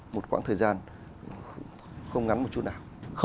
một khoảng thời gian không ngắn một chút nào